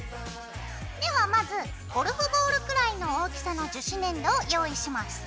ではまずゴルフボールくらいの大きさの樹脂粘土を用意します。